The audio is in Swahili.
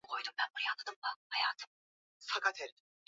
yule rais wa zamani ufaransa zack shirack